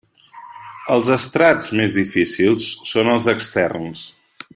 Els estrats més difícils són els externs.